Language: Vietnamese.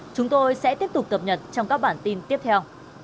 chúng tôi sẽ tiếp tục cập nhật trong các bản tin tiếp theo